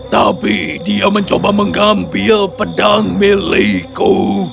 tapi dia mencoba mengambil pedang milikku